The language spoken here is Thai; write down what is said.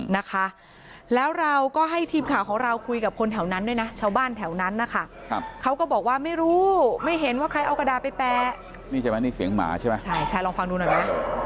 นี่ใช่ไหมนี่เสียงหมาใช่ไหมใช่ใช่ลองฟังดูหน่อยนะ